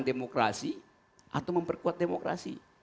demokrasi atau memperkuat demokrasi